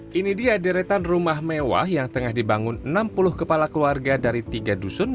hai ini dia deretan rumah mewah yang tengah dibangun enam puluh kepala keluarga dari tiga dusun